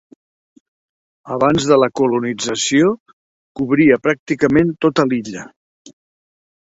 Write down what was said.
Abans de la colonització cobria pràcticament tota l'illa.